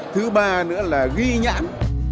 thứ ba nữa là ghi nhãn